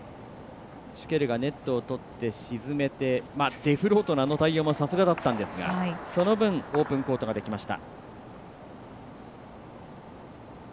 シュケルがネットを取って沈めてデフロートのあの対応もさすがだったんですがその分、オープンコートができました。